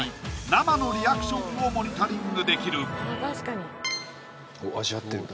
生のリアクションをモニタリングできる味わってる